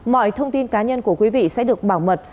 mọi thông tin cá nhân của quý vị sẽ được bảo mật